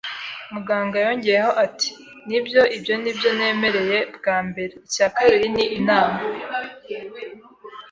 Muganga yongeyeho ati: “Nibyo, ibyo ni byo nemereye bwa mbere. “Icya kabiri ni inama: